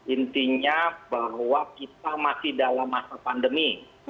intinya bahwa kita masih dalam masa pandemi